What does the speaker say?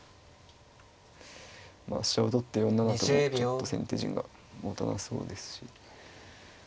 飛車を取って４七ともちょっと先手陣がもたなそうですし。